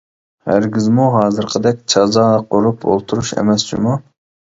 ھەرگىزمۇ ھازىرقىدەك چازا قۇرۇپ ئولتۇرۇش ئەمەس جۇمۇ!